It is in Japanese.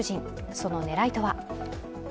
その狙いとは？